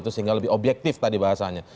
sehingga lebih objektif tadi bahasanya